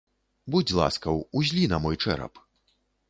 Будзь ласкаў, узлі на мой чэрап.